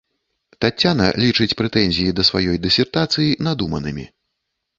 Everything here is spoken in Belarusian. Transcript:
Таццяна лічыць прэтэнзіі да сваёй дысертацыі надуманымі.